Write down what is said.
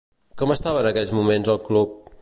Com estava en aquells moments el club?